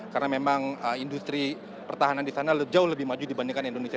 karena memang industri pertahanan di sana jauh lebih maju dibandingkan indonesia